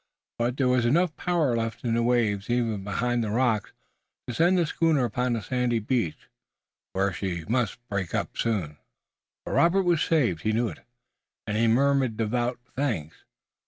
But there was enough power left in the waves even behind the rocks to send the schooner upon a sandy beach, where she must soon break up. But Robert was saved. He knew it and he murmured devout thanks.